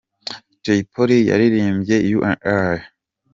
Jay Polly yaririmbye You and I.